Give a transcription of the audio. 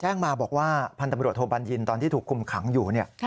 แจ้งมาบอกว่าพันธุ์ตำรวจโทบัญญินตอนที่ถูกคุมขังอยู่เนี่ย